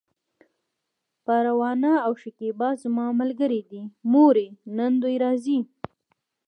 پروانه او شکيبه زما ملګرې دي، مورې! نن دوی راځي!